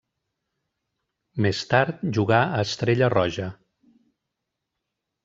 Més tard jugà a Estrella Roja.